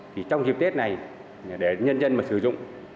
thì trong dịp tết này để nhân dân mà sử dụng